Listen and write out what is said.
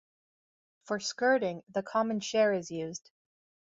For skirting, the common share is used.